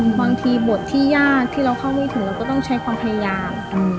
บางทีบทที่ยากที่เราเข้าไม่ถึงเราก็ต้องใช้ความพยายาม